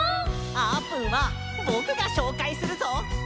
あーぷんはぼくがしょうかいするぞ。